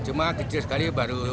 cuma kecil sekali baru